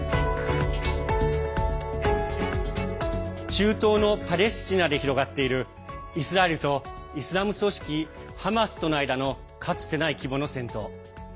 中東のパレスチナで広がっているイスラエルとイスラム組織ハマスとの間のかつてない規模の戦闘。